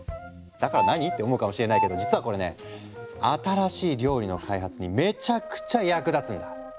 だから何？って思うかもしれないけど実はこれね新しい料理の開発にめちゃくちゃ役立つんだ。